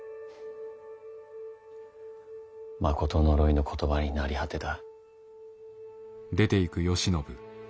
まこと呪いの言葉に成り果てた。